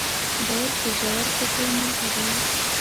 باز د ژور فکر مرغه دی